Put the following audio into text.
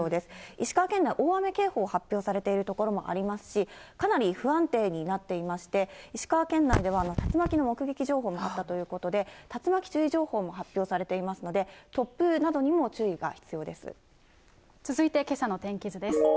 石川県内、大雨警報が発表されている所もありますし、かなり不安定になっていまして、石川県内では竜巻の目撃情報があったということで、竜巻注意情報も発表されていますので、突風などにも注意が必要で続いてけさの天気図です。